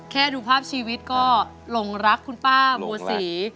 ดูภาพชีวิตก็หลงรักคุณป้าบัวศรี